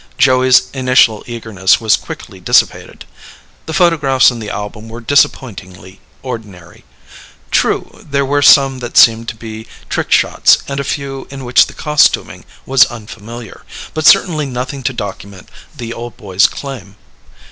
Joey's initial eagerness was quickly dissipated. The photographs in the album were disappointingly ordinary. True, there were some that seemed to be trick shots and a few in which the costuming was unfamiliar, but certainly nothing to document the old boy's claim.